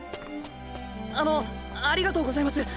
あのっありがとうございます。